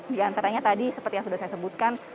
diantaranya tadi seperti yang sudah saya sebutkan